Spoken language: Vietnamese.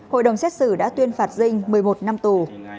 hội đồng xét xử đã tuyên phạt dinh một mươi một năm tù